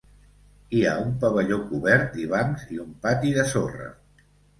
Hi ha un pavelló cobert i bancs i un pati de sorra.